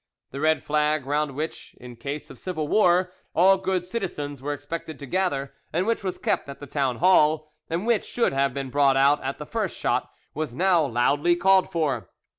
The red flag round which, in case of civil war, all good citizens were expected to gather, and which was kept at the town hall, and which should have been brought out at the first shot, was now loudly called for.